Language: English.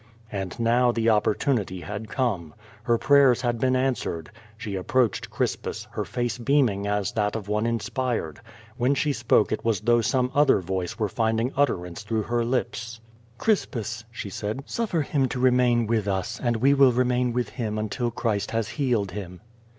And now the opportunity had come. Her prayers had been answered. She approached Crispus, her face beaming as that of one inspired. When she spoke it was though some other voice were finding utterance through her lips. "Crispus," she said, "suffer him to remain with us, and we will remain with him until Christ has healed him."